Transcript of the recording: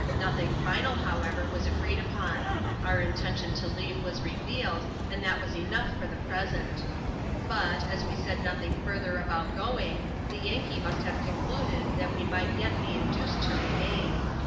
Nothing final, however, was agreed upon ;— our intention to leave was revealed, and that was enough for the present. But^ as we said nothing further about going, the Yankee must have concluded that we might yet be induced to remain.